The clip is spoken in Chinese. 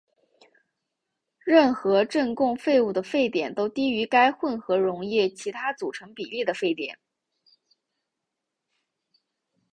任何正共沸物的沸点都低于该混合溶液其他组成比例的沸点。